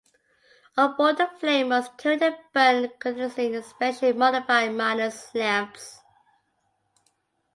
On board the flame was carried and burned continuously in specially modified miners lamps.